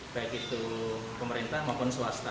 baik itu pemerintah maupun swasta